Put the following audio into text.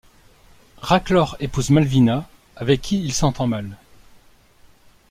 Raclor épouse Malvina, avec qui il s'entend mal.